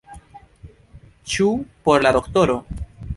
Ĉu por la doktoro?